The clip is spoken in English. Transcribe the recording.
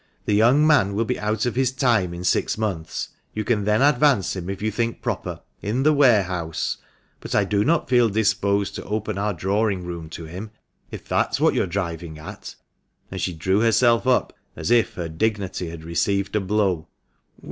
The young man will be out of his time in six months ; you can then advance him if you think proper — in the warehouse — but I do not feel disposed to open our drawing room to him, if that is what you are driving at ;" and she drew herself up as if her dignity had received a blow.